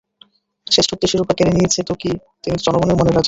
শ্রেষ্ঠত্বের শিরোপা কেড়ে নিয়েছে তো কী, তিনি তো জনগণের মনের রাজা।